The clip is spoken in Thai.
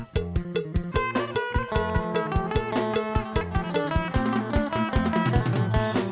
สนุนโดยอีซุสเอกสิทธิ์แห่งความสุข